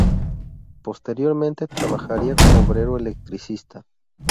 Posteriormente trabajaría como obrero electricista.